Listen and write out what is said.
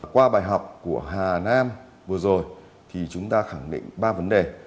qua bài học của hà nam vừa rồi thì chúng ta khẳng định ba vấn đề